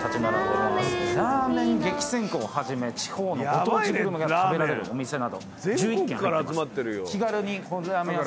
ラーメン激戦区をはじめ地方のご当地グルメが食べられるお店など１１軒入ってます。